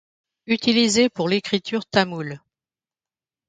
Utilisés pour l’écriture tamoule.